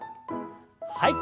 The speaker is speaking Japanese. はい。